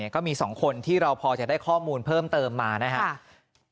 ก็มี๒คนที่เราพอจะได้ข้อมูลเพิ่มเติมมานะครับ